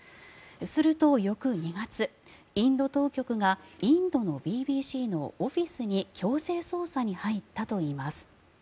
すると、翌２月インド当局がインドのＢＢＣのオフィスに強制捜査に入ったといいます。